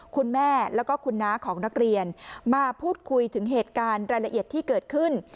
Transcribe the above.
คุณแม่แล้วก็คุณน้าของนักเรียนมาพูดคุยถึงเหตุการณ์รายละเอียดที่เกิดขึ้น